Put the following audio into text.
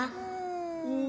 うん。